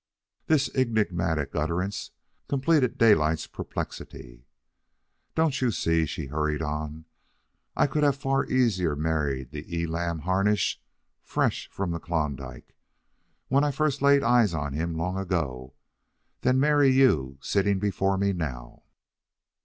This enigmatic utterance completed Daylight's perplexity. "Don't you see?" she hurried on. "I could have far easier married the Elam Harnish fresh from Klondike, when I first laid eyes on him long ago, than marry you sitting before me now."